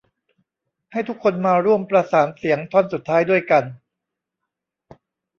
ให้ทุกคนมาร่วมประสานเสียงท่อนสุดท้ายด้วยกัน